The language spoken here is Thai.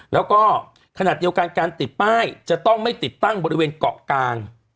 แล้วก็ขนาดเดียวกันการติดป้ายจะต้องไม่ติดตั้งบริเวณเกาะกลาง